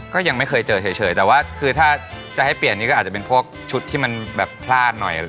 ก็ยังไม่เคยเจอเฉยแต่ว่าคือถ้าจะให้เปลี่ยนนี่ก็อาจจะเป็นพวกชุดที่มันแบบพลาดหน่อย